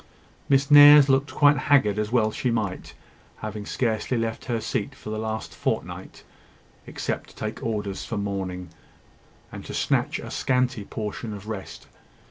Miss Nares looked quite haggard, as she well might, having scarcely left her seat for the last fortnight, except to take orders for mourning, and to snatch a scanty portion of rest.